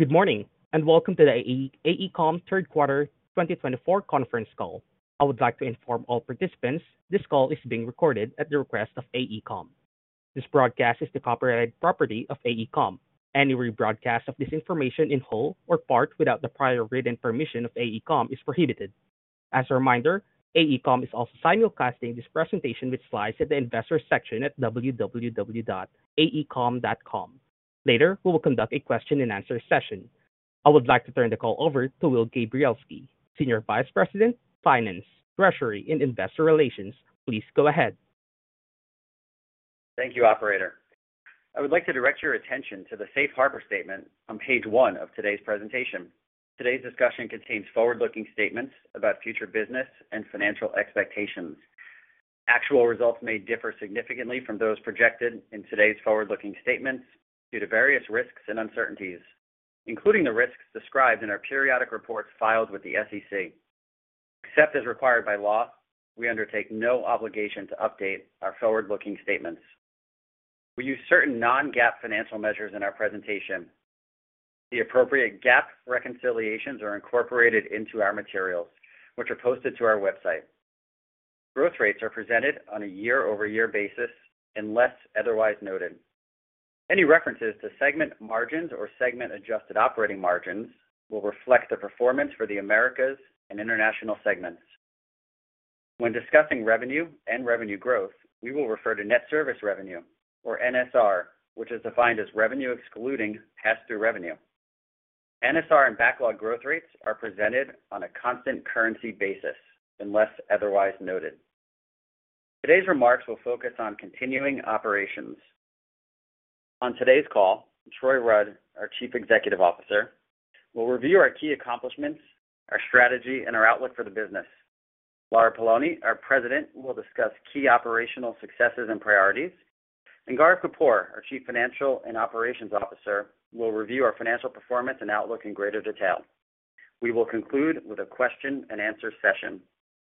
Good morning, and welcome to the AECOM Third Quarter 2024 Conference Call. I would like to inform all participants this call is being recorded at the request of AECOM. This broadcast is the copyrighted property of AECOM. Any rebroadcast of this information in whole or part without the prior written permission of AECOM is prohibited. As a reminder, AECOM is also simulcasting this presentation with slides at the investor section at www.aecom.com. Later, we will conduct a question-and-answer session. I would like to turn the call over to Will Gabrielski, Senior Vice President, Finance, Treasury, and Investor Relations. Please go ahead. Thank you, operator. I would like to direct your attention to the safe harbor statement on Page one of today's presentation. Today's discussion contains forward-looking statements about future business and financial expectations. Actual results may differ significantly from those projected in today's forward-looking statements due to various risks and uncertainties, including the risks described in our periodic reports filed with the SEC. Except as required by law, we undertake no obligation to update our forward-looking statements. We use certain non-GAAP financial measures in our presentation. The appropriate GAAP reconciliations are incorporated into our materials, which are posted to our website. Growth rates are presented on a year-over-year basis unless otherwise noted. Any references to segment margins or segment adjusted operating margins will reflect the performance for the Americas and International segments. When discussing revenue and revenue growth, we will refer to net service revenue, or NSR, which is defined as revenue excluding pass-through revenue. NSR and backlog growth rates are presented on a constant currency basis unless otherwise noted. Today's remarks will focus on continuing operations. On today's call, Troy Rudd, our Chief Executive Officer, will review our key accomplishments, our strategy, and our outlook for the business. Lara Poloni, our President, will discuss key operational successes and priorities. Gaurav Kapoor, our Chief Financial and Operations Officer, will review our financial performance and outlook in greater detail. We will conclude with a question-and-answer session.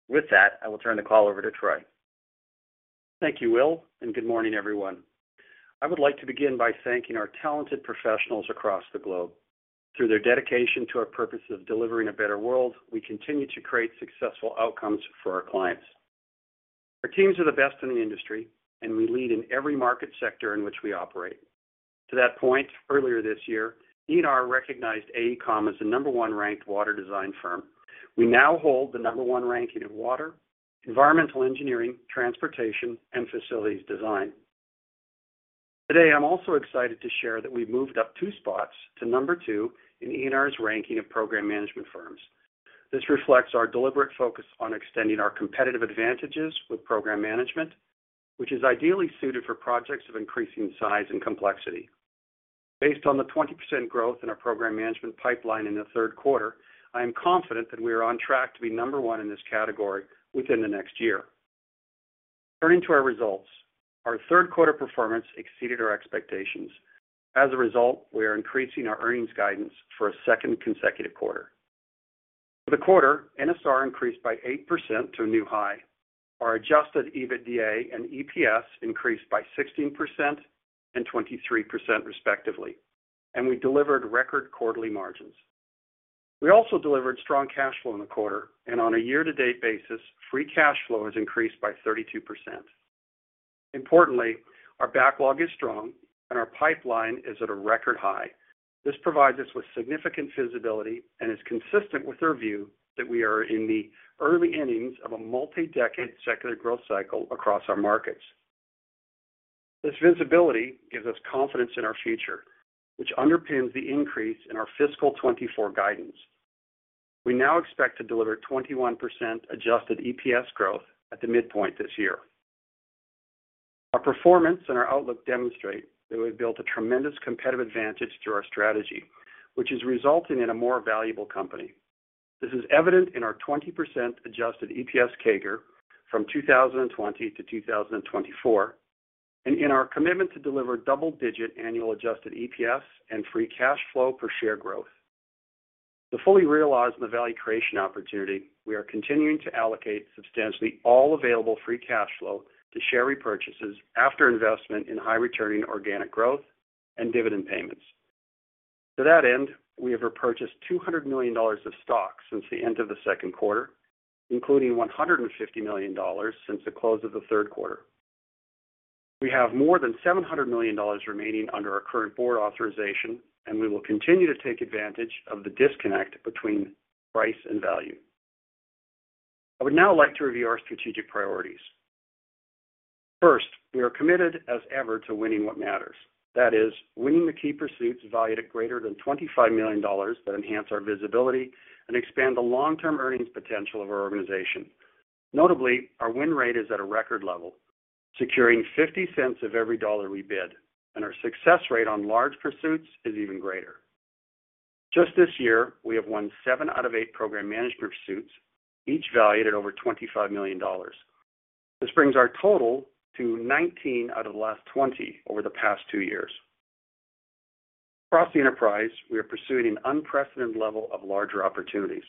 With that, I will turn the call over to Troy. Thank you, Will, and good morning, everyone. I would like to begin by thanking our talented professionals across the globe. Through their dedication to our purpose of delivering a better world, we continue to create successful outcomes for our clients. Our teams are the best in the industry, and we lead in every market sector in which we operate. To that point, earlier this year, ENR recognized AECOM as the number one ranked water design firm. We now hold the number one ranking in water, environmental engineering, transportation, and facilities design. Today, I'm also excited to share that we've moved up two spots to number two in ENR's ranking of program management firms. This reflects our deliberate focus on extending our competitive advantages with program management, which is ideally suited for projects of increasing size and complexity. Based on the 20% growth in our program management pipeline in the third quarter, I am confident that we are on track to be number one in this category within the next year. Turning to our results, our third quarter performance exceeded our expectations. As a result, we are increasing our earnings guidance for a second consecutive quarter. For the quarter, NSR increased by 8% to a new high. Our adjusted EBITDA and EPS increased by 16% and 23%, respectively, and we delivered record quarterly margins. We also delivered strong cash flow in the quarter, and on a year-to-date basis, free cash flow has increased by 32%. Importantly, our backlog is strong and our pipeline is at a record high. This provides us with significant visibility and is consistent with our view that we are in the early innings of a multi-decade secular growth cycle across our markets. This visibility gives us confidence in our future, which underpins the increase in our fiscal 2024 guidance. We now expect to deliver 21% adjusted EPS growth at the midpoint this year. Our performance and our outlook demonstrate that we've built a tremendous competitive advantage through our strategy, which is resulting in a more valuable company. This is evident in our 20% adjusted EPS CAGR from 2020-2024, and in our commitment to deliver double-digit annual adjusted EPS and free cash flow per share growth. To fully realize the value creation opportunity, we are continuing to allocate substantially all available free cash flow to share repurchases after investment in high-returning organic growth and dividend payments. To that end, we have repurchased $200 million of stock since the end of the second quarter, including $150 million since the close of the third quarter. We have more than $700 million remaining under our current board authorization, and we will continue to take advantage of the disconnect between price and value. I would now like to review our strategic priorities. First, we are committed as ever to Winning What Matters. That is, winning the key pursuits valued at greater than $25 million that enhance our visibility and expand the long-term earnings potential of our organization. Notably, our win rate is at a record level, securing 0.50 of every dollar we bid, and our success rate on large pursuits is even greater. Just this year, we have won seven out of eight program management pursuits, each valued at over $25 million. This brings our total to 19 out of the last 20 over the past two years. Across the enterprise, we are pursuing an unprecedented level of larger opportunities....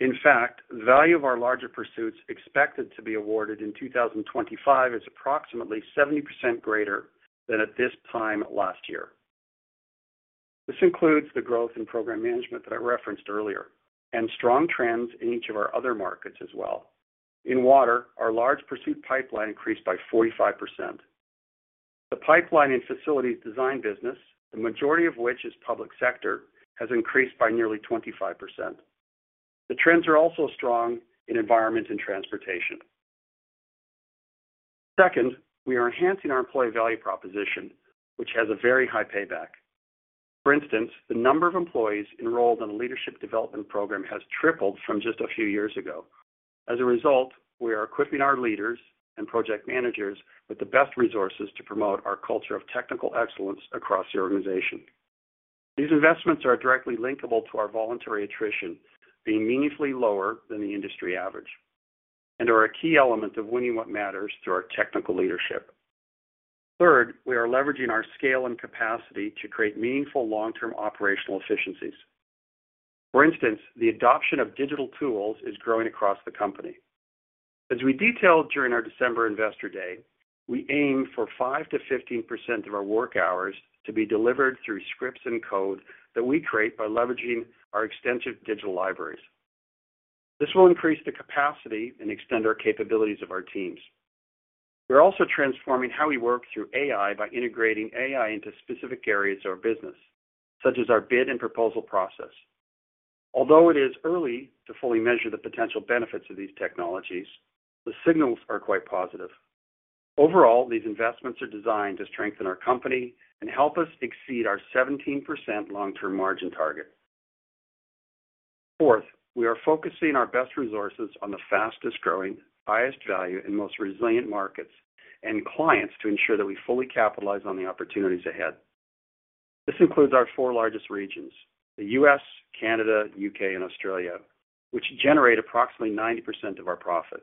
In fact, the value of our larger pursuits expected to be awarded in 2025 is approximately 70% greater than at this time last year. This includes the growth in program management that I referenced earlier, and strong trends in each of our other markets as well. In water, our large pursuit pipeline increased by 45%. The pipeline and facilities design business, the majority of which is public sector, has increased by nearly 25%. The trends are also strong in environment and transportation. Second, we are enhancing our employee value proposition, which has a very high payback. For instance, the number of employees enrolled in a leadership development program has tripled from just a few years ago. As a result, we are equipping our leaders and project managers with the best resources to promote our culture of technical excellence across the organization. These investments are directly linkable to our voluntary attrition, being meaningfully lower than the industry average, and are a key element of winning what matters through our technical leadership. Third, we are leveraging our scale and capacity to create meaningful long-term operational efficiencies. For instance, the adoption of digital tools is growing across the company. As we detailed during our December Investor Day, we aim for 5%-15% of our work hours to be delivered through scripts and code that we create by leveraging our extensive digital libraries. This will increase the capacity and extend our capabilities of our teams. We're also transforming how we work through AI by integrating AI into specific areas of our business, such as our bid and proposal process. Although it is early to fully measure the potential benefits of these technologies, the signals are quite positive. Overall, these investments are designed to strengthen our company and help us exceed our 17% long-term margin target. Fourth, we are focusing our best resources on the fastest growing, highest value, and most resilient markets and clients to ensure that we fully capitalize on the opportunities ahead. This includes our four largest regions, the U.S., Canada, U.K., and Australia, which generate approximately 90% of our profit.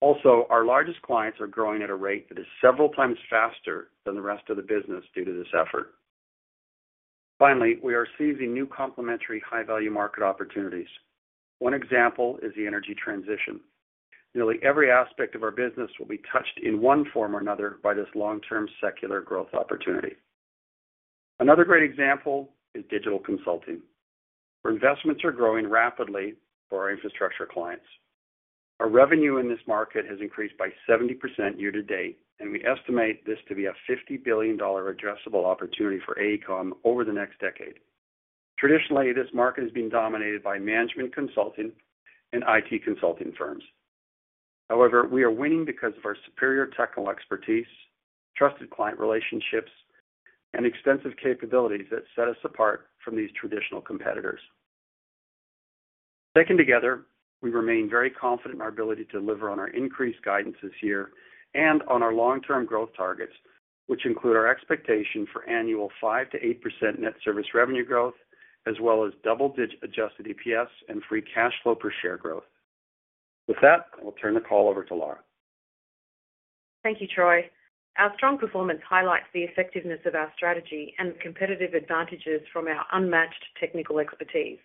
Also, our largest clients are growing at a rate that is several times faster than the rest of the business due to this effort. Finally, we are seizing new complementary high-value market opportunities. One example is the energy transition. Nearly every aspect of our business will be touched in one form or another by this long-term secular growth opportunity. Another great example is digital consulting, where investments are growing rapidly for our infrastructure clients. Our revenue in this market has increased by 70% year-to-date, and we estimate this to be a $50 billion addressable opportunity for AECOM over the next decade. Traditionally, this market has been dominated by management consulting and IT consulting firms. However, we are winning because of our superior technical expertise, trusted client relationships, and extensive capabilities that set us apart from these traditional competitors. Taken together, we remain very confident in our ability to deliver on our increased guidance this year and on our long-term growth targets, which include our expectation for annual 5%-8% net service revenue growth, as well as double-digit Adjusted EPS and free cash flow per share growth. With that, I'll turn the call over to Lara. Thank you, Troy. Our strong performance highlights the effectiveness of our strategy and competitive advantages from our unmatched technical expertise.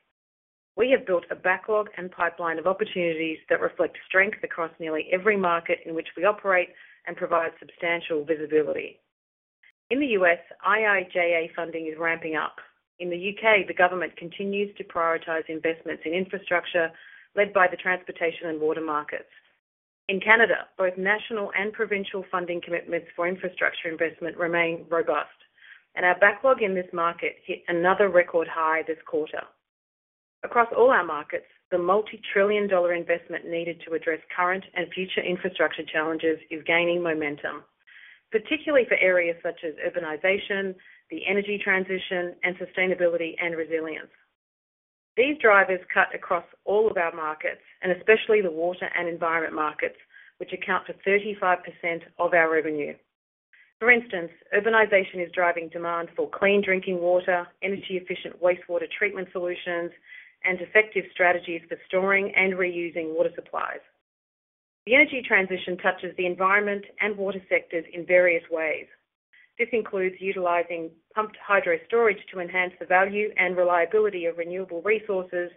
We have built a backlog and pipeline of opportunities that reflect strength across nearly every market in which we operate and provide substantial visibility. In the U.S., IIJA funding is ramping up. In the U.K., the government continues to prioritize investments in infrastructure, led by the transportation and water markets. In Canada, both national and provincial funding commitments for infrastructure investment remain robust, and our backlog in this market hit another record high this quarter. Across all our markets, the multi-trillion dollar investment needed to address current and future infrastructure challenges is gaining momentum, particularly for areas such as urbanization, the energy transition, and sustainability and resilience. These drivers cut across all of our markets, and especially the water and environment markets, which account for 35% of our revenue. For instance, urbanization is driving demand for clean drinking water, energy-efficient wastewater treatment solutions, and effective strategies for storing and reusing water supplies. The energy transition touches the environment and water sectors in various ways. This includes utilizing pumped hydro storage to enhance the value and reliability of renewable resources,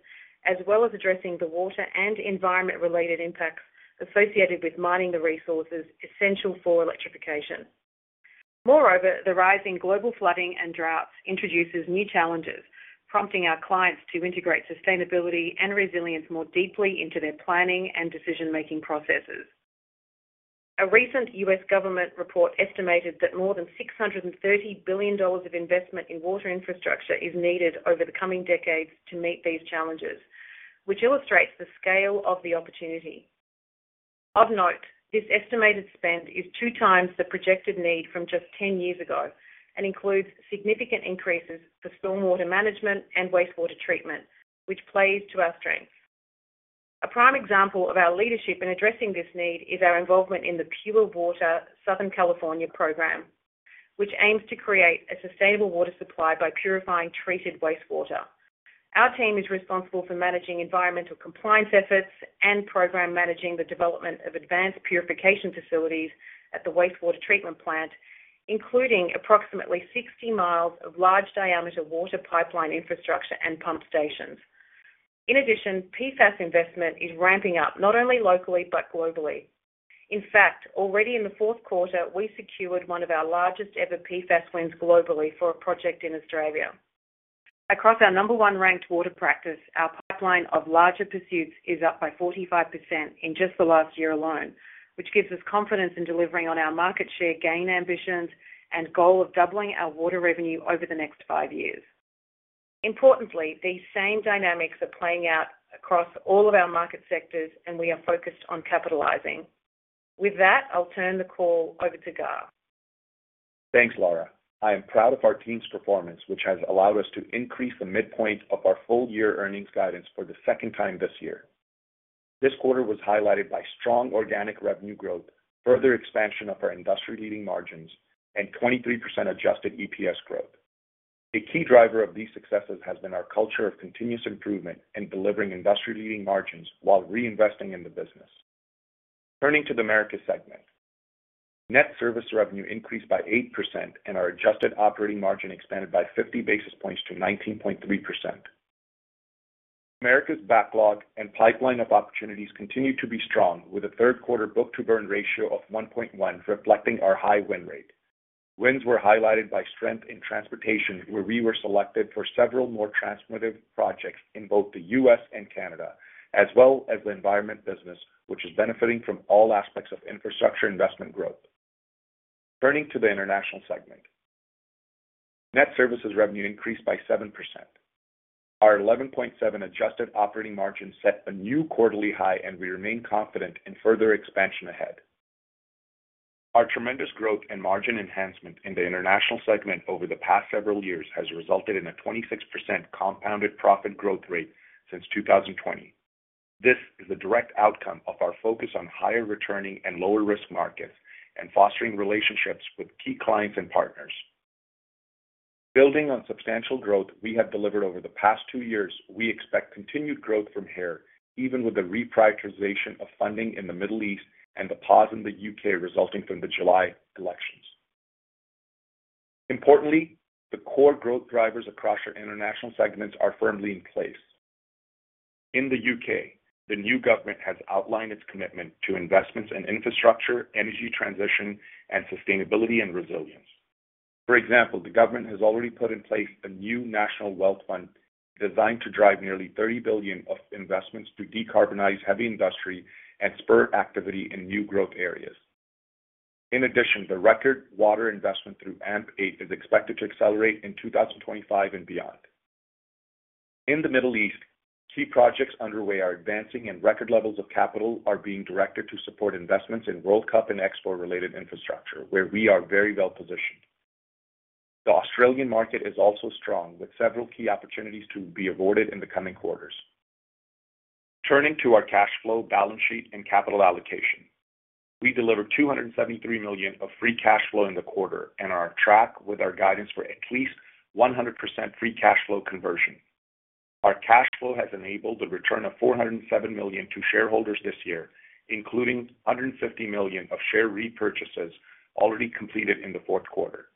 as well as addressing the water and environment-related impacts associated with mining the resources essential for electrification. Moreover, the rising global flooding and droughts introduces new challenges, prompting our clients to integrate sustainability and resilience more deeply into their planning and decision-making processes. A recent U.S. government report estimated that more than $630 billion of investment in water infrastructure is needed over the coming decades to meet these challenges, which illustrates the scale of the opportunity. Of note, this estimated spend is two times the projected need from just 10 years ago and includes significant increases for stormwater management and wastewater treatment, which plays to our strength. A prime example of our leadership in addressing this need is our involvement in the Pure Water Southern California program, which aims to create a sustainable water supply by purifying treated wastewater. Our team is responsible for managing environmental compliance efforts and program managing the development of advanced purification facilities at the wastewater treatment plant, including approximately 60 mi of large-diameter water pipeline infrastructure and pump stations. In addition, PFAS investment is ramping up, not only locally but globally. In fact, already in the fourth quarter, we secured one of our largest ever PFAS wins globally for a project in Australia. Across our number one ranked water practice, our pipeline of larger pursuits is up by 45% in just the last year alone, which gives us confidence in delivering on our market share gain ambitions and goal of doubling our water revenue over the next five years. Importantly, these same dynamics are playing out across all of our market sectors, and we are focused on capitalizing. With that, I'll turn the call over to Gaurav. Thanks, Lara. I am proud of our team's performance, which has allowed us to increase the midpoint of our full-year earnings guidance for the second time this year. This quarter was highlighted by strong organic revenue growth, further expansion of our industry-leading margins, and 23% adjusted EPS growth. A key driver of these successes has been our culture of continuous improvement in delivering industry-leading margins while reinvesting in the business. Turning to the Americas segment. Net service revenue increased by 8%, and our adjusted operating margin expanded by 50 basis points to 19.3%. Americas' backlog and pipeline of opportunities continue to be strong, with a third quarter book-to-burn ratio of 1.1, reflecting our high win rate. Wins were highlighted by strength in transportation, where we were selected for several more transformative projects in both the U.S. and Canada, as well as the environment business, which is benefiting from all aspects of infrastructure investment growth. Turning to the International segment. Net Service Revenue increased by 7%. Our 11.7 adjusted operating margin set a new quarterly high, and we remain confident in further expansion ahead. Our tremendous growth and margin enhancement in the International segment over the past several years has resulted in a 26% compounded profit growth rate since 2020. This is a direct outcome of our focus on higher returning and lower-risk markets and fostering relationships with key clients and partners. Building on substantial growth we have delivered over the past two years, we expect continued growth from here, even with the reprioritization of funding in the Middle East and the pause in the U.K. resulting from the July elections. Importantly, the core growth drivers across our international segments are firmly in place. In the U.K., the new government has outlined its commitment to investments in infrastructure, energy transition, and sustainability and resilience. For example, the government has already put in place a new National Wealth Fund designed to drive nearly 30 billion of investments to decarbonize heavy industry and spur activity in new growth areas. In addition, the record water investment through AMP8 is expected to accelerate in 2025 and beyond. In the Middle East, key projects underway are advancing, and record levels of capital are being directed to support investments in World Cup and Expo-related infrastructure, where we are very well positioned. The Australian market is also strong, with several key opportunities to be awarded in the coming quarters. Turning to our cash flow, balance sheet, and capital allocation. We delivered $273 million of free cash flow in the quarter, and are on track with our guidance for at least 100% free cash flow conversion. Our cash flow has enabled the return of $407 million to shareholders this year, including $150 million of share repurchases already completed in the fourth quarter.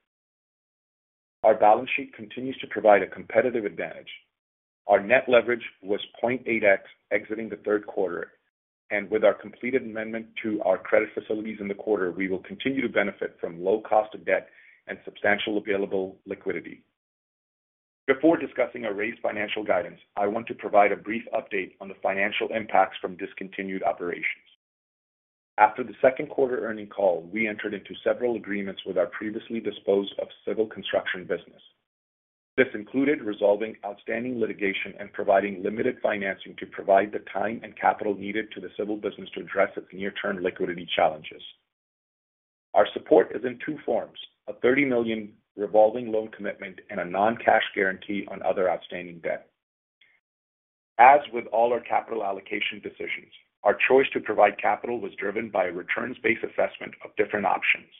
Our balance sheet continues to provide a competitive advantage. Our net leverage was 0.8x exiting the third quarter, and with our completed amendment to our credit facilities in the quarter, we will continue to benefit from low cost of debt and substantial available liquidity. Before discussing our raised financial guidance, I want to provide a brief update on the financial impacts from discontinued operations. After the second quarter earnings call, we entered into several agreements with our previously disposed of Civil Construction business. This included resolving outstanding litigation and providing limited financing to provide the time and capital needed to the Civil business to address its near-term liquidity challenges. Our support is in two forms: a $30 million revolving loan commitment and a non-cash guarantee on other outstanding debt. As with all our capital allocation decisions, our choice to provide capital was driven by a returns-based assessment of different options.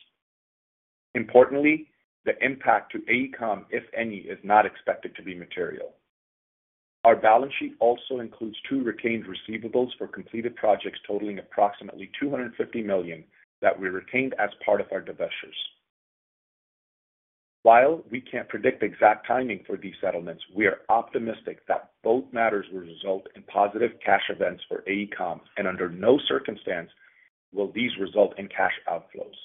Importantly, the impact to AECOM, if any, is not expected to be material. Our balance sheet also includes two retained receivables for completed projects totaling approximately $250 million that we retained as part of our divestitures. While we can't predict the exact timing for these settlements, we are optimistic that both matters will result in positive cash events for AECOM, and under no circumstance will these result in cash outflows.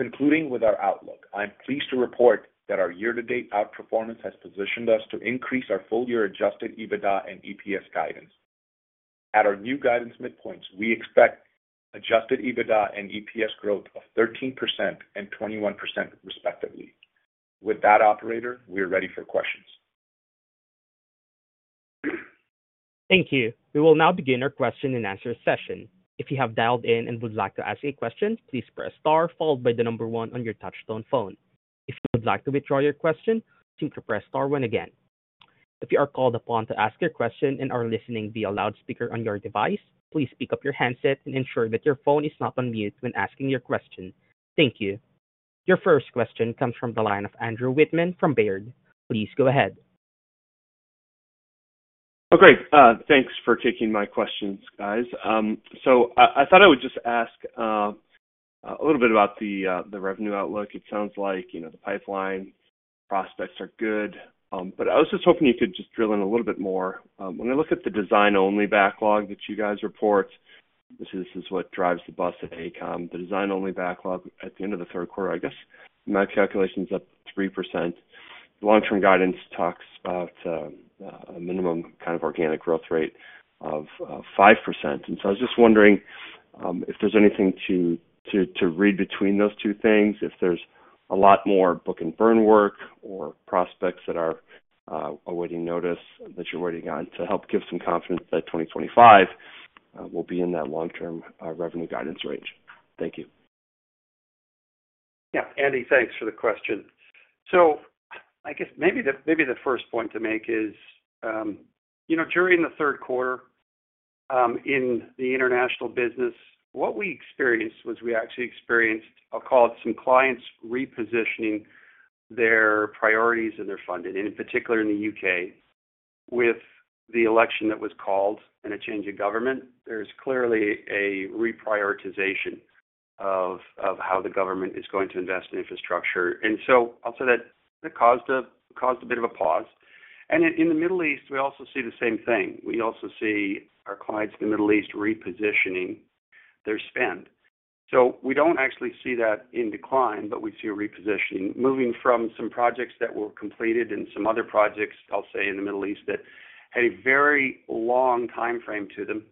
Concluding with our outlook, I am pleased to report that our year-to-date outperformance has positioned us to increase our full-year Adjusted EBITDA and EPS guidance. At our new guidance midpoints, we expect Adjusted EBITDA and EPS growth of 13% and 21%, respectively. With that, operator, we are ready for questions. Thank you. We will now begin our question-and-answer session. If you have dialed in and would like to ask a question, please press star, followed by the number one on your touchtone phone. If you would like to withdraw your question, simply press star one again. If you are called upon to ask your question and are listening via loudspeaker on your device, please pick up your handset and ensure that your phone is not on mute when asking your question. Thank you. Your first question comes from the line of Andrew Wittmann from Baird. Please go ahead. Oh, great, thanks for taking my questions, guys. So I thought I would just ask a little bit about the revenue outlook. It sounds like, you know, the pipeline prospects are good. But I was just hoping you could just drill in a little bit more. When I look at the design-only backlog that you guys report, this is what drives the bus at AECOM. The design-only backlog at the end of the third quarter, I guess, my calculation is up 3%. Long-term guidance talks about a minimum kind of organic growth rate of 5%. And so I was just wondering, if there's anything to read between those two things, if there's a lot more book-to-burn work or prospects that are awaiting notice, that you're waiting on to help give some confidence that 2025 will be in that long-term revenue guidance range. Thank you. Yeah, Andy, thanks for the question. So I guess maybe the first point to make is, you know, during the third quarter, in the international business, what we experienced was we actually experienced, I'll call it, some clients repositioning their priorities and their funding, and in particular in the U.K., with the election that was called and a change in government, there's clearly a reprioritization of how the government is going to invest in infrastructure. And so I'll say that it caused a bit of a pause. And in the Middle East, we also see the same thing. We also see our clients in the Middle East repositioning their spend. So we don't actually see that in decline, but we see a repositioning, moving from some projects that were completed and some other projects, I'll say, in the Middle East, that had a very long timeframe to them,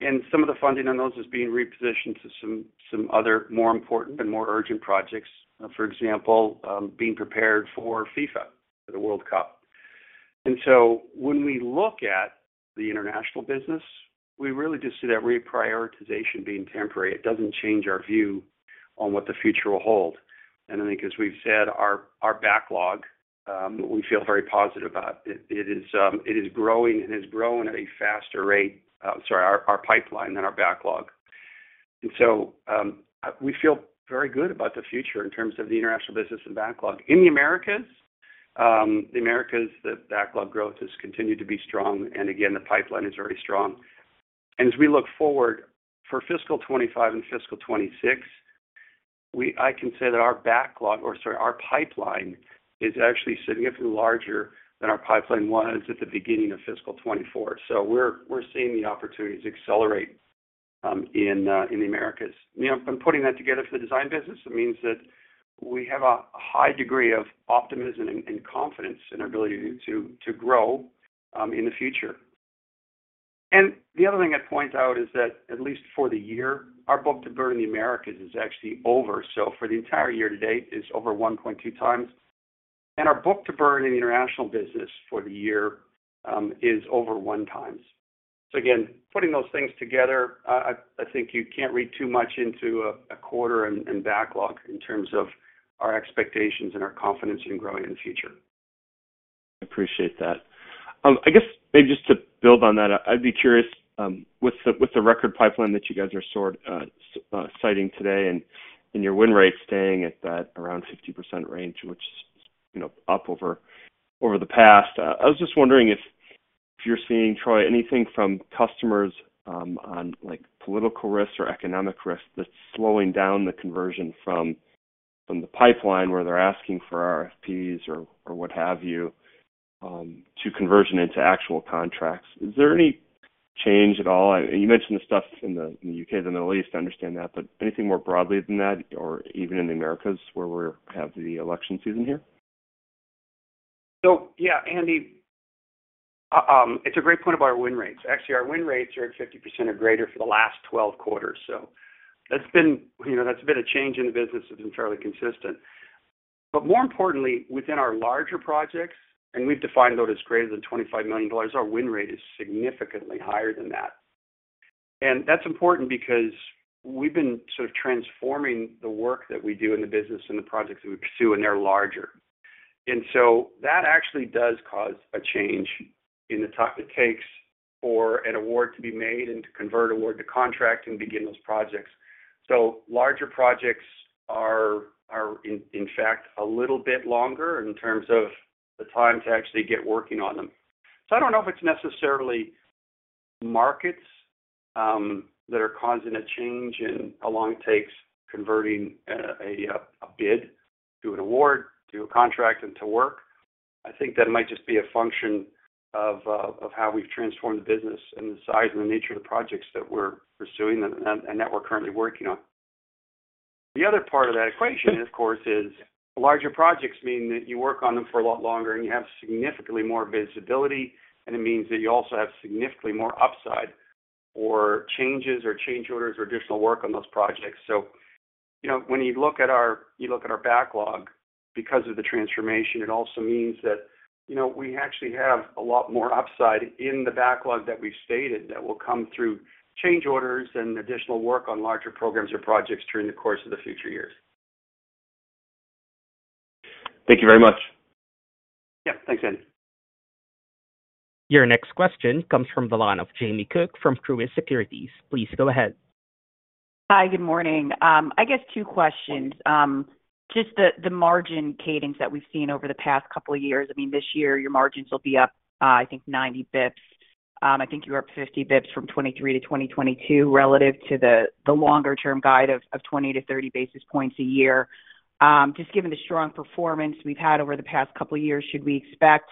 and some of the funding on those is being repositioned to some other more important and more urgent projects. For example, being prepared for FIFA, for the World Cup. And so when we look at the international business, we really just see that reprioritization being temporary. It doesn't change our view on what the future will hold. And I think, as we've said, our backlog we feel very positive about. It is growing and is growing at a faster rate, our pipeline than our backlog. And so, we feel very good about the future in terms of the international business and backlog. In the Americas, the backlog growth has continued to be strong, and again, the pipeline is very strong. And as we look forward for fiscal 2025 and fiscal 2026, I can say that our backlog, or sorry, our pipeline is actually significantly larger than our pipeline was at the beginning of fiscal 2024. So we're seeing the opportunities accelerate in the Americas. You know, and putting that together for the design business, it means that we have a high degree of optimism and confidence in our ability to grow in the future. And the other thing I'd point out is that at least for the year, our book-to-burn in the Americas is actually over. So for the entire year to date, it's over 1.2x, and our book-to-burn in the international business for the year is over 1x. So again, putting those things together, I think you can't read too much into a quarter and backlog in terms of our expectations and our confidence in growing in the future. Appreciate that. I guess maybe just to build on that, I'd be curious with the record pipeline that you guys are sort of citing today and your win rate staying at that around 50% range, which is, you know, up over the past. I was just wondering if you're seeing, Troy, anything from customers on like political risks or economic risks that's slowing down the conversion from the pipeline, where they're asking for RFPs or what have you to conversion into actual contracts. Is there any change at all? You mentioned the stuff in the U.K. and the Middle East, I understand that, but anything more broadly than that, or even in the Americas, where we have the election season here? So yeah, Andy, it's a great point about our win rates. Actually, our win rates are at 50% or greater for the last 12 quarters, so that's been, you know, that's been a change in the business that's been fairly consistent. But more importantly, within our larger projects, and we've defined those as greater than $25 million, our win rate is significantly higher than that. And that's important because we've been sort of transforming the work that we do in the business and the projects that we pursue, and they're larger. And so that actually does cause a change in the time it takes for an award to be made and to convert award to contract and begin those projects. So larger projects are, are in, in fact, a little bit longer in terms of the time to actually get working on them. So I don't know if it's necessarily markets that are causing a change in how long it takes converting a bid to an award, to a contract and to work. I think that might just be a function of how we've transformed the business and the size and the nature of the projects that we're pursuing and that we're currently working on. The other part of that equation, of course, is larger projects mean that you work on them for a lot longer, and you have significantly more visibility, and it means that you also have significantly more upside or changes or change orders or additional work on those projects. So you know, when you look at our -- you look at our backlog, because of the transformation, it also means that, you know, we actually have a lot more upside in the backlog that we've stated, that will come through change orders and additional work on larger programs or projects during the course of the future years. Thank you very much. Yeah. Thanks, Andy. Your next question comes from the line of Jamie Cook from Truist Securities. Please go ahead. Hi, good morning. I guess two questions. Just the, the margin cadence that we've seen over the past couple of years. I mean, this year, your margins will be up, I think 95th. I think you were up 50 basis points from 2023 to 2022 relative to the, the longer term guide of 20-30 basis points a year. Just given the strong performance we've had over the past couple of years, should we expect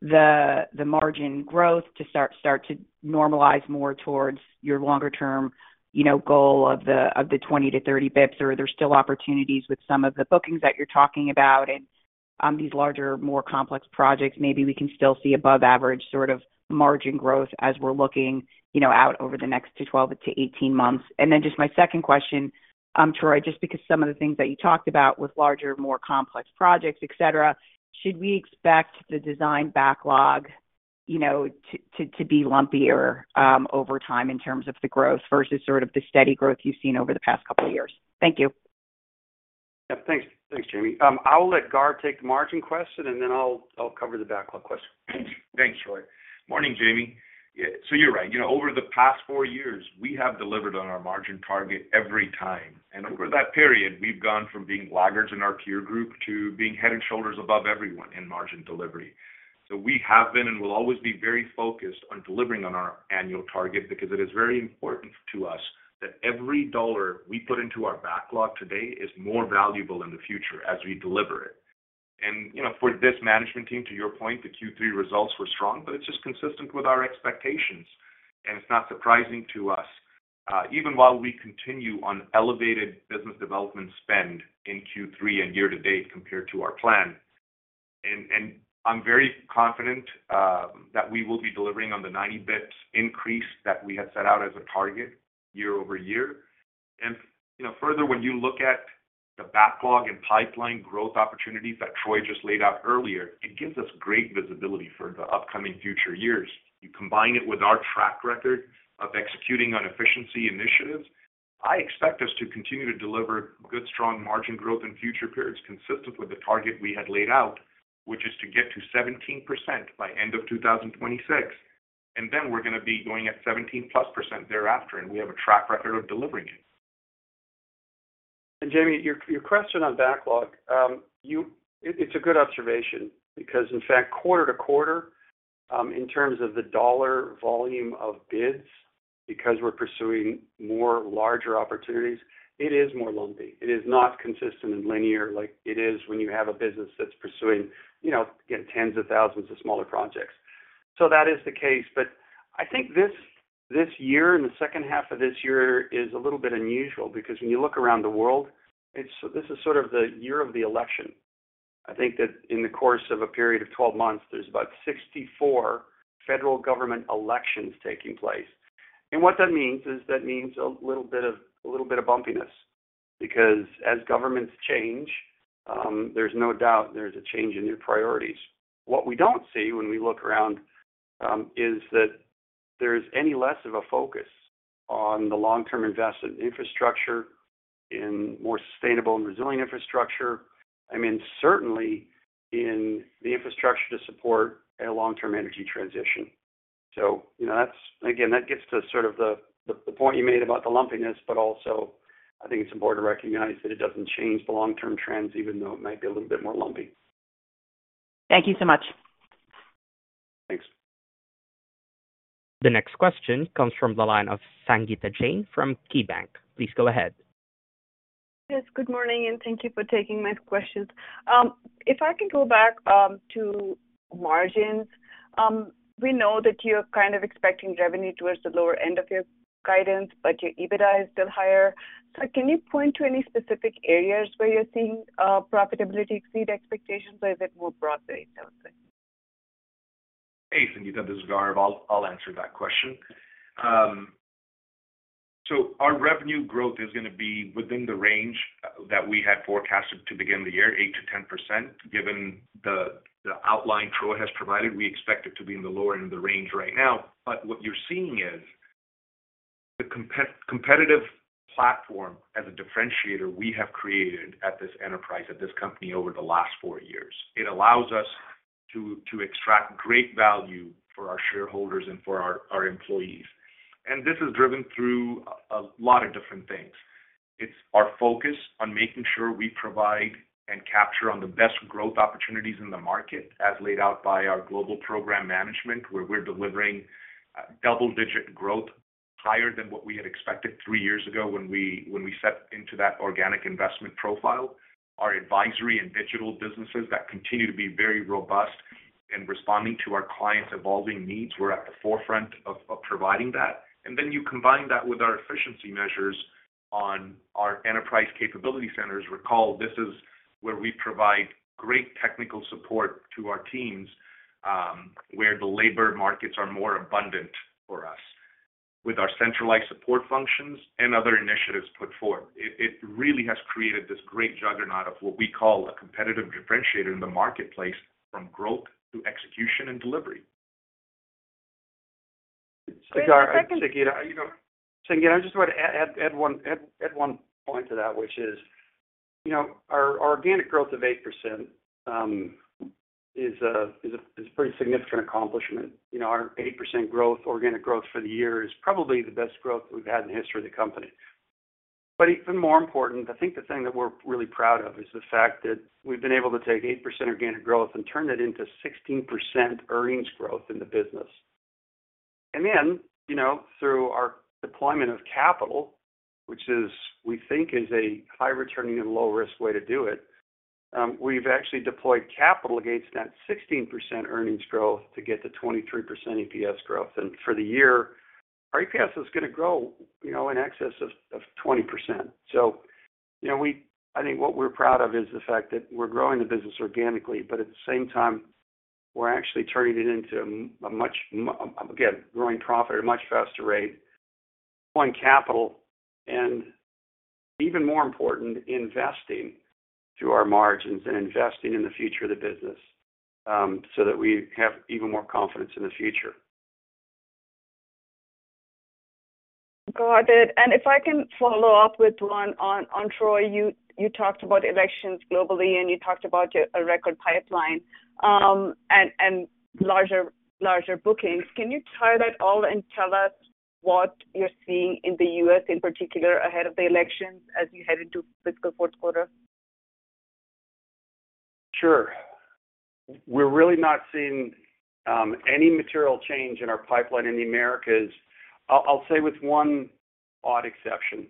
the, the margin growth to start, start to normalize more towards your longer term, you know, goal of the 20-30 basis points? Or are there still opportunities with some of the bookings that you're talking about and, these larger, more complex projects, maybe we can still see above average sort of margin growth as we're looking, you know, out over the next to 12-18 months? And then just my second question, Troy, just because some of the things that you talked about with larger, more complex projects, et cetera, should we expect the design backlog, you know, to be lumpier, over time in terms of the growth versus sort of the steady growth you've seen over the past couple of years? Thank you. Yeah, thanks. Thanks, Jamie. I'll let Gaurav take the margin question, and then I'll cover the backlog question. Thanks, Troy. Morning, Jamie. Yeah, so you're right. You know, over the past four years, we have delivered on our margin target every time, and over that period, we've gone from being laggards in our peer group to being head and shoulders above everyone in margin delivery. So we have been, and will always be very focused on delivering on our annual target because it is very important to us that every dollar we put into our backlog today is more valuable in the future as we deliver it. And, you know, for this management team, to your point, the Q3 results were strong, but it's just consistent with our expectations, and it's not surprising to us. Even while we continue on elevated business development spend in Q3 and year to date compared to our plan. And I'm very confident that we will be delivering on the 90 basis points increase that we had set out as a target year-over-year. You know, further, when you look at the backlog and pipeline growth opportunities that Troy just laid out earlier, it gives us great visibility for the upcoming future years. You combine it with our track record of executing on efficiency initiatives, I expect us to continue to deliver good, strong margin growth in future periods, consistent with the target we had laid out, which is to get to 17% by end of 2026, and then we're gonna be going at 17%+ thereafter, and we have a track record of delivering it. Jamie, your, your question on backlog, you it, it's a good observation because in fact, quarter to quarter, in terms of the dollar volume of bids, because we're pursuing more larger opportunities, it is more lumpy. It is not consistent and linear like it is when you have a business that's pursuing, you know, again, tens of thousands of smaller projects. So that is the case. But I think this, this year and the second half of this year is a little bit unusual because when you look around the world, it's this is sort of the year of the election. I think that in the course of a period of 12 months, there's about 64 federal government elections taking place. What that means is, that means a little bit of, a little bit of bumpiness, because as governments change, there's no doubt there's a change in their priorities. What we don't see when we look around, is that there's any less of a focus on the long-term investment in infrastructure, in more sustainable and resilient infrastructure. I mean, certainly in the infrastructure to support a long-term energy transition. So you know, that's, again, that gets to sort of the point you made about the lumpiness, but also I think it's important to recognize that it doesn't change the long-term trends, even though it might be a little bit more lumpy. Thank you so much. Thanks. The next question comes from the line of Sangita Jain from KeyBanc. Please go ahead. Yes, good morning, and thank you for taking my questions. If I can go back to margins. We know that you're kind of expecting revenue towards the lower end of your guidance, but your EBITDA is still higher. So can you point to any specific areas where you're seeing profitability exceed expectations, or is it more broadly down there? Hey, Sangita, this is Gaurav. I'll answer that question. So our revenue growth is gonna be within the range that we had forecasted to begin the year, 8%-10%. Given the outline Troy has provided, we expect it to be in the lower end of the range right now. But what you're seeing is the competitive platform as a differentiator we have created at this enterprise, at this company over the last four years. It allows us to extract great value for our shareholders and for our employees. And this is driven through a lot of different things. It's our focus on making sure we provide and capture on the best growth opportunities in the market, as laid out by our global program management, where we're delivering double-digit growth higher than what we had expected three years ago when we set into that organic investment profile. Our advisory and digital businesses that continue to be very robust in responding to our clients' evolving needs, we're at the forefront of providing that. And then you combine that with our efficiency measures on our Enterprise Capability Centers. Recall, this is where we provide great technical support to our teams, where the labor markets are more abundant for us, with our centralized support functions and other initiatives put forward. It really has created this great juggernaut of what we call a competitive differentiator in the marketplace, from growth to execution and delivery. Sangita, you know, I just want to add one point to that, which is, you know, our organic growth of 8%, is a pretty significant accomplishment. You know, our 8% growth, organic growth for the year is probably the best growth we've had in the history of the company... But even more important, I think the thing that we're really proud of is the fact that we've been able to take 8% organic growth and turn that into 16% earnings growth in the business. And then, you know, through our deployment of capital, which we think is a high returning and low risk way to do it, we've actually deployed capital against that 16% earnings growth to get to 23% EPS growth. For the year, our EPS is gonna grow, you know, in excess of 20%. So, you know, we—I think what we're proud of is the fact that we're growing the business organically, but at the same time, we're actually turning it into a much, again, growing profit at a much faster rate on capital, and even more important, investing to our margins and investing in the future of the business, so that we have even more confidence in the future. Got it. And if I can follow up with one on Troy. You talked about elections globally, and you talked about a record pipeline, and larger bookings. Can you tie that all and tell us what you're seeing in the U.S., in particular, ahead of the elections as you head into fiscal fourth quarter? Sure. We're really not seeing any material change in our pipeline in the Americas. I'll say with one odd exception,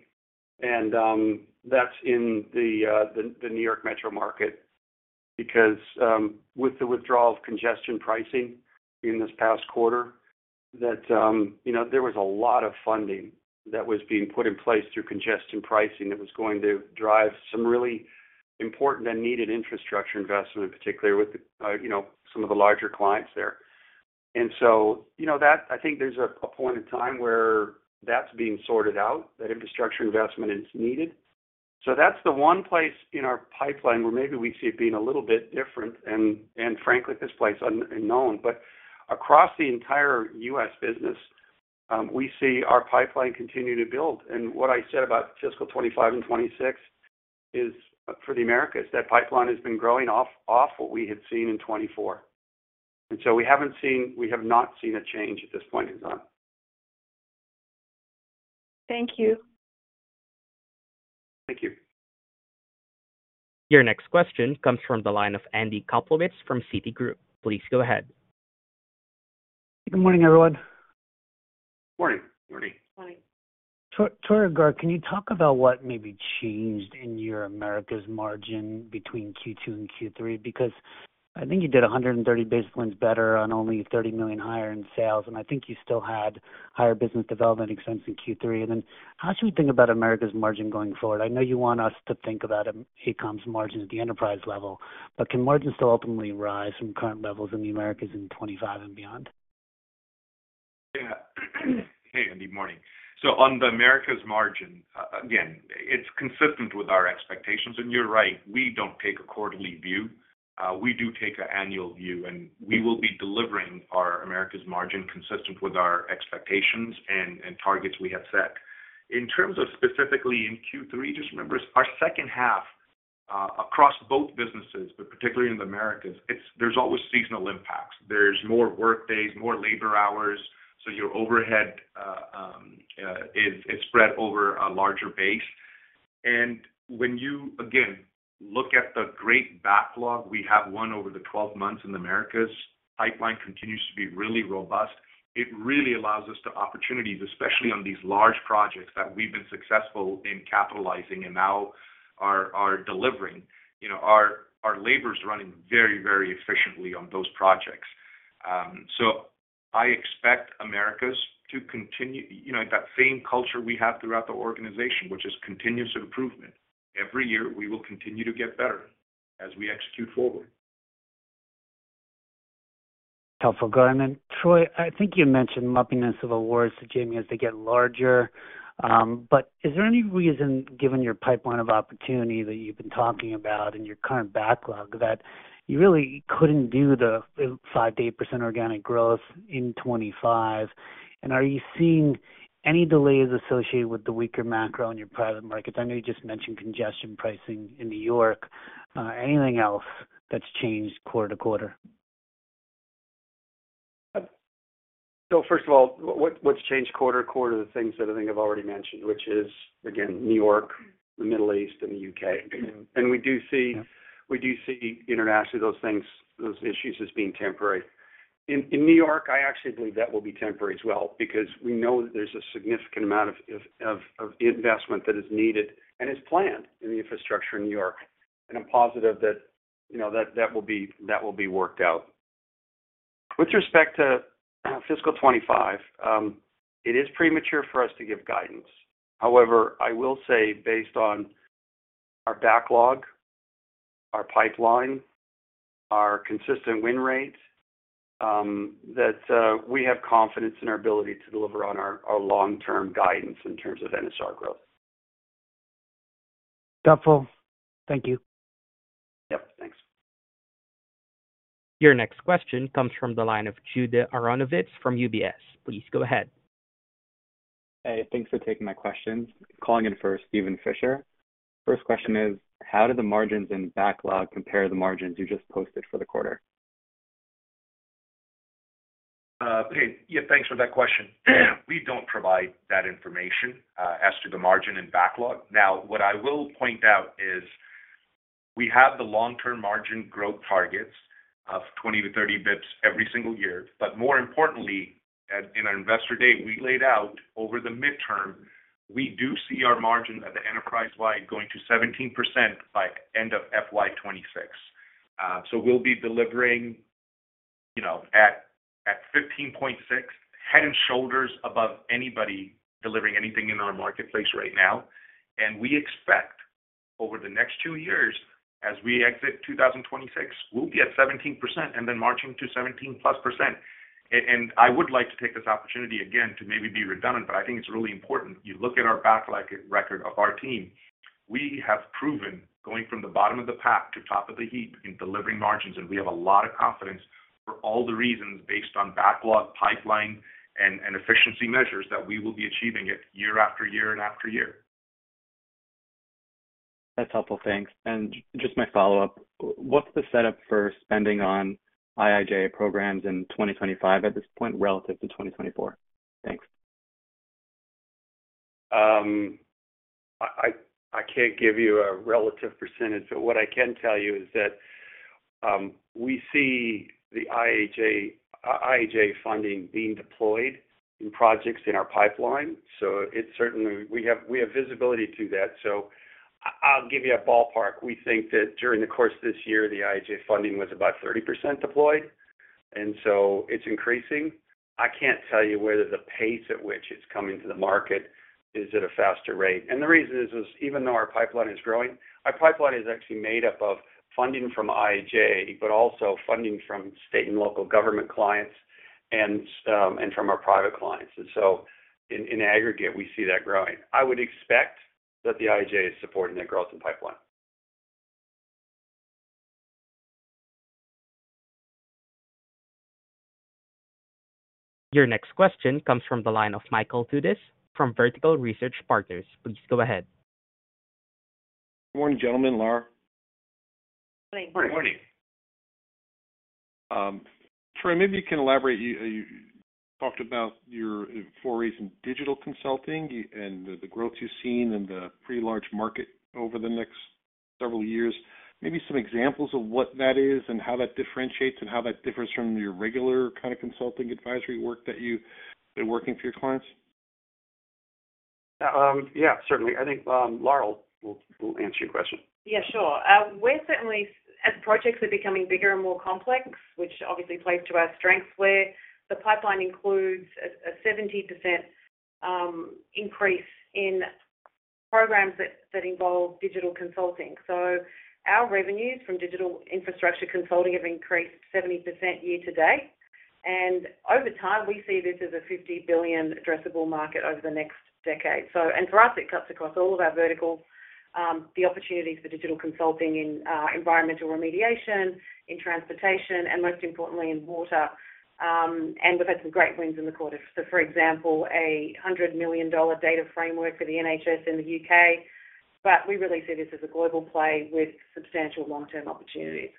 and that's in the New York metro market. Because with the withdrawal of congestion pricing in this past quarter, you know, there was a lot of funding that was being put in place through congestion pricing, that was going to drive some really important and needed infrastructure investment, particularly with, you know, some of the larger clients there. And so, you know that, I think there's a point in time where that's being sorted out, that infrastructure investment is needed. So that's the one place in our pipeline where maybe we see it being a little bit different and, frankly, at this place, unknown. Across the entire U.S. business, we see our pipeline continue to build. What I said about fiscal 2025 and 2026 is for the Americas, that pipeline has been growing off what we had seen in 2024, and so we haven't seen, we have not seen, a change at this point in time. Thank you. Thank you. Your next question comes from the line of Andy Kaplowitz from Citigroup. Please go ahead. Good morning, everyone. Morning. Morning. Troy and Gaurav, can you talk about what maybe changed in your Americas margin between Q2 and Q3? Because I think you did 130 basis points better on only $30 million higher in sales, and I think you still had higher business development expense in Q3. And then how should we think about Americas margin going forward? I know you want us to think about, AECOM's margin at the enterprise level, but can margins still openly rise from current levels in the Americas in 2025 and beyond? Yeah. Hey, Andy. Morning. So on the Americas margin, again, it's consistent with our expectations. And you're right, we don't take a quarterly view. We do take an annual view, and we will be delivering our Americas margin consistent with our expectations and targets we have set. In terms of specifically in Q3, just remember, it's our second half across both businesses, but particularly in the Americas, it's. There's always seasonal impacts. There's more workdays, more labor hours, so your overhead is spread over a larger base. And when you, again, look at the great backlog we have won over the 12 months in the Americas, pipeline continues to be really robust. It really allows us to opportunities, especially on these large projects that we've been successful in capitalizing and now are delivering. You know, our labor is running very, very efficiently on those projects. So I expect Americas to continue, you know, that same culture we have throughout the organization, which is continuous improvement. Every year, we will continue to get better as we execute forward. Helpful, Gaurav. And then, Troy, I think you mentioned lumpiness of awards to Jamie as they get larger. But is there any reason, given your pipeline of opportunity that you've been talking about and your current backlog, that you really couldn't do the 5%-8% organic growth in 2025? And are you seeing any delays associated with the weaker macro on your private markets? I know you just mentioned congestion pricing in New York. Anything else that's changed quarter-to-quarter? First of all, what's changed quarter to quarter are the things that I think I've already mentioned, which is, again, New York, the Middle East and the U.K. Yeah. And we do see- Yeah. We do see internationally, those things, those issues as being temporary. In New York, I actually believe that will be temporary as well, because we know that there's a significant amount of investment that is needed and is planned in the infrastructure in New York. I'm positive that, you know, that will be worked out. With respect to fiscal 2025, it is premature for us to give guidance. However, I will say based on our backlog, our pipeline, our consistent win rates, that we have confidence in our ability to deliver on our long-term guidance in terms of NSR growth. Helpful. Thank you. Yep, thanks. Your next question comes from the line of Judah Aronovitz from UBS. Please go ahead. Hey, thanks for taking my questions. Calling in for Steven Fisher. First question is, how do the margins in backlog compare the margins you just posted for the quarter? Hey, yeah, thanks for that question. We don't provide that information as to the margin and backlog. Now, what I will point out is we have the long-term margin growth targets of 20-30 basis points every single year. But more importantly, in our investor day, we laid out over the midterm, we do see our margin at the enterprise-wide going to 17% by end of FY 2026. So we'll be delivering, you know, at 15.6, head and shoulders above anybody delivering anything in our marketplace right now. And we expect over the next two years, as we exit 2026, we'll be at 17% and then marching to 17%+. And I would like to take this opportunity again to maybe be redundant, but I think it's really important. You look at our backlog record of our team. We have proven, going from the bottom of the pack to top of the heap in delivering margins, and we have a lot of confidence for all the reasons based on backlog, pipeline, and efficiency measures that we will be achieving it year after year and after year. That's helpful. Thanks. Just my follow-up. What's the setup for spending on IIJA programs in 2025 at this point relative to 2024? Thanks. I can't give you a relative percentage, but what I can tell you is that we see the IIJA funding being deployed in projects in our pipeline, so it's certainly we have visibility to that. So I'll give you a ballpark. We think that during the course of this year, the IIJA funding was about 30% deployed, and so it's increasing. I can't tell you whether the pace at which it's coming to the market is at a faster rate. And the reason is even though our pipeline is growing, our pipeline is actually made up of funding from IIJA, but also funding from state and local government clients and and from our private clients. And so in aggregate, we see that growing. I would expect that the IIJA is supporting that growth in pipeline. Your next question comes from the line of Michael Dudas from Vertical Research Partners. Please go ahead. Good morning, gentlemen, Lara. Good morning. Good morning. Troy, maybe you can elaborate. You, you talked about your forays in digital consulting and the, the growth you've seen in the pretty large market over the next several years. Maybe some examples of what that is and how that differentiates, and how that differs from your regular kind of consulting advisory work that you've been working for your clients. Yeah. Yeah, certainly. I think Lara will answer your question. Yeah, sure. We're certainly as projects are becoming bigger and more complex, which obviously plays to our strengths, where the pipeline includes a 70% increase in programs that involve digital consulting. So our revenues from digital infrastructure consulting have increased 70% year-to-date. And over time, we see this as a $50 billion addressable market over the next decade. So and for us, it cuts across all of our verticals, the opportunities for digital consulting in environmental remediation, in transportation, and most importantly, in water. And we've had some great wins in the quarter. So for example, a $100 million data framework for the NHS in the U.K., but we really see this as a global play with substantial long-term opportunities.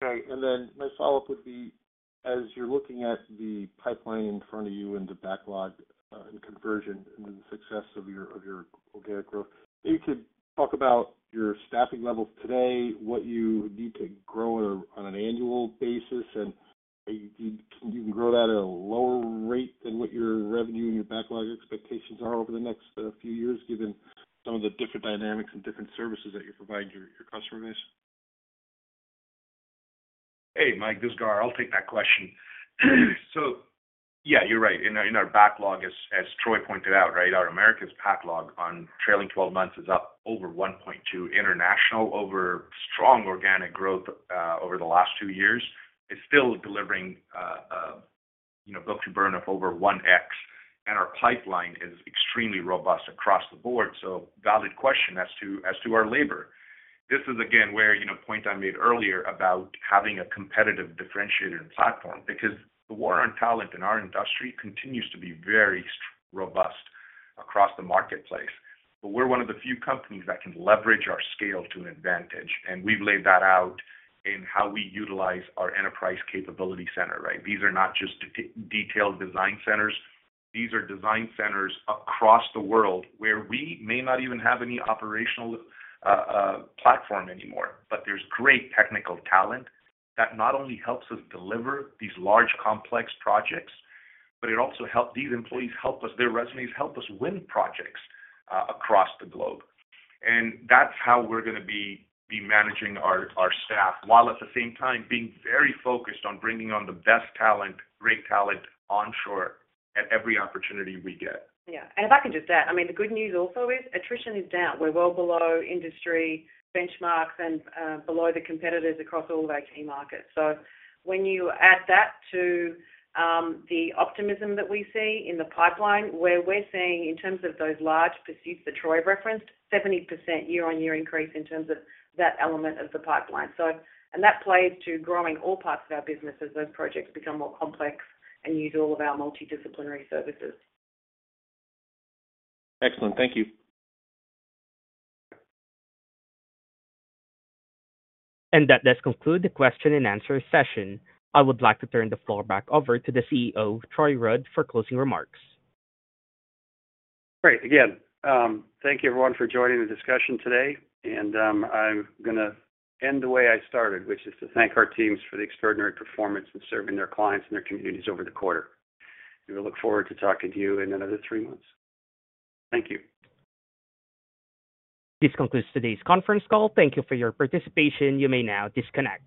Great. And then my follow-up would be, as you're looking at the pipeline in front of you and the backlog, and conversion and the success of your, of your organic growth, if you could talk about your staffing levels today, what you need to grow on a, on an annual basis, and you, can you grow that at a lower rate than what your revenue and your backlog expectations are over the next, few years, given some of the different dynamics and different services that you provide your, your customer base? Hey, Mike, this is Gaurav. I'll take that question. So yeah, you're right. In our backlog, as Troy pointed out, right, our Americas backlog on trailing twelve months is up over 1.2. International, over strong organic growth over the last two years, is still delivering, you know, book-to-burn of over 1x, and our pipeline is extremely robust across the board. So valid question as to our labor. This is again, where, you know, point I made earlier about having a competitive differentiator and platform, because the war on talent in our industry continues to be very robust across the marketplace. But we're one of the few companies that can leverage our scale to an advantage, and we've laid that out in how we utilize our enterprise capability center, right? These are not just detailed design centers. These are design centers across the world where we may not even have any operational platform anymore, but there's great technical talent that not only helps us deliver these large, complex projects, but it also helps these employees—their resumes help us win projects across the globe. And that's how we're gonna be managing our staff, while at the same time being very focused on bringing on the best talent, great talent onshore at every opportunity we get. Yeah, and if I can just add, I mean, the good news also is attrition is down. We're well below industry benchmarks and below the competitors across all of our key markets. So when you add that to the optimism that we see in the pipeline, where we're seeing in terms of those large pursuits that Troy referenced, 70% year-on-year increase in terms of that element of the pipeline. So, and that plays to growing all parts of our business as those projects become more complex and use all of our multidisciplinary services. Excellent. Thank you. That does conclude the question and answer session. I would like to turn the floor back over to the CEO, Troy Rudd, for closing remarks. Great. Again, thank you everyone for joining the discussion today, and, I'm gonna end the way I started, which is to thank our teams for the extraordinary performance in serving their clients and their communities over the quarter. We look forward to talking to you in another three months. Thank you. This concludes today's conference call. Thank you for your participation. You may now disconnect.